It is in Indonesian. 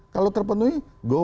kalau terpenuhi go